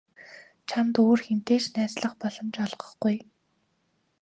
Чамд өөр хэнтэй ч найзлах боломж олгохгүй.